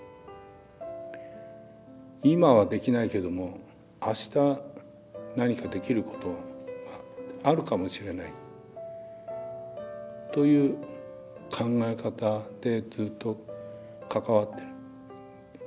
今はできないけどもあした何かできることがあるかもしれないという考え方でずっと関わってる。